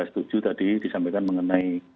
setuju tadi disampaikan mengenai